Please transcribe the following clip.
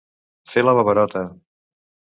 Fer la babarota.